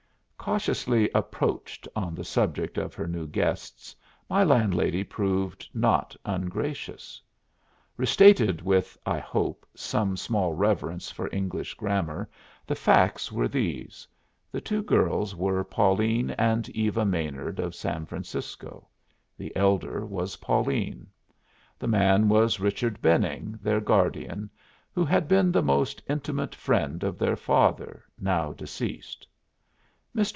Cautiously "approached" on the subject of her new guests my landlady proved not ungracious. Restated with, I hope, some small reverence for English grammar the facts were these: the two girls were Pauline and Eva Maynard of San Francisco; the elder was Pauline. The man was Richard Benning, their guardian, who had been the most intimate friend of their father, now deceased. Mr.